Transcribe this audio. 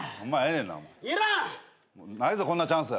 ないぞこんなチャンス。